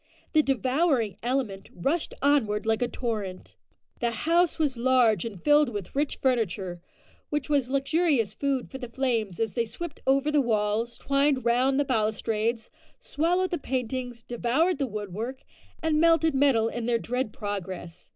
The "devouring element" rushed onward like a torrent. The house was large and filled with rich furniture, which was luxurious food for the flames as they swept over the walls, twined round the balustrades, swallowed the paintings, devoured the woodwork, and melted the metal in their dread progress.